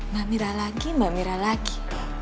nah mira lagi mbak mira lagi